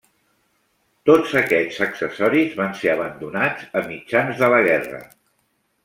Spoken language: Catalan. Tots aquests accessoris van ser abandonats a mitjans de la guerra.